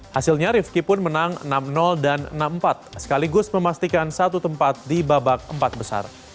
hasilnya rivki pun menang enam dan enam empat sekaligus memastikan satu tempat di babak empat besar